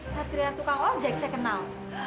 satria tukang ojek saya kenal